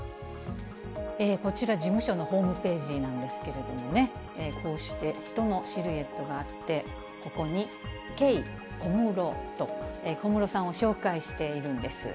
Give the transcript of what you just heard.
こちら、事務所のホームページなんですけれどもね、こうして人のシルエットがあって、ここに、ケイ・コムロと、小室さんを紹介しているんです。